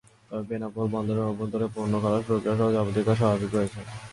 তবে বেনাপোল বন্দরের অভ্যন্তরে পণ্য খালাস প্রক্রিয়াসহ যাবতীয় কাজ স্বাভাবিক রয়েছে।